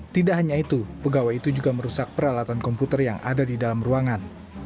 tidak hanya itu pegawai itu juga merusak peralatan komputer yang ada di dalam ruangan